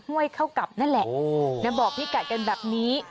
ห้วยเข้ากลับนั่นแหละบอกพี่กัดกันแบบนี้